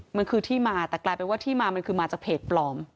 มันคือที่มาแต่กลายเป็นว่าที่มามันคือมาจากเพจปลอม